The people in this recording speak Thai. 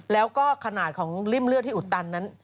แล้วก็ขนาดของริ่มเลือดที่อุดตันนั้น